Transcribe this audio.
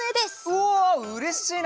うわうれしいな！